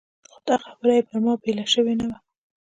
خو دا خبره یې پر ما بېله شوې نه وه.